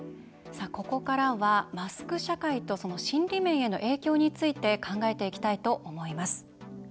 ここからは、マスク社会とその心理面への影響について考えていきたいと思います。